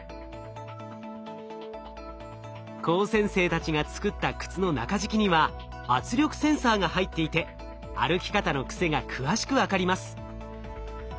高専生たちが作った靴の中敷きには圧力センサーが入っていて歩き方の癖が詳しく分かります。